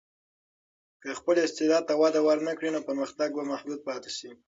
که خپل استعداد ته وده ورنکړې، نو پرمختګ به محدود پاتې شي.